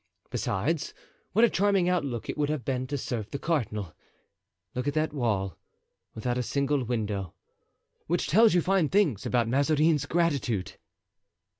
Besides, what a charming outlook it would have been to serve the cardinal! Look at that wall—without a single window—which tells you fine things about Mazarin's gratitude!"